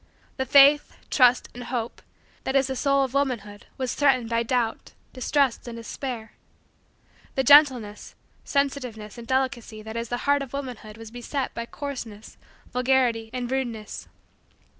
The faith, trust, and hope, that is the soul of womanhood was threatened by doubt, distrust, and despair. The gentleness, sensitiveness, and delicacy, that is the heart of womanhood was beset by coarseness, vulgarity, and rudeness.